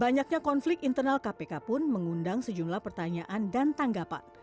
banyaknya konflik internal kpk pun mengundang sejumlah pertanyaan dan tanggapan